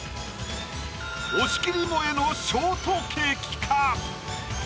押切もえのショートケーキか？